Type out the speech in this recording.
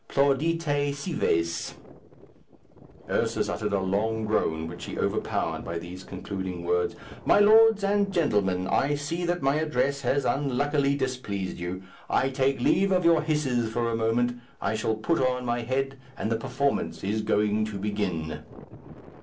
Plaudite, cives." Ursus uttered a long groan, which he overpowered by these concluding words, "My lords and gentlemen, I see that my address has unluckily displeased you. I take leave of your hisses for a moment. I shall put on my head, and the performance is going to begin."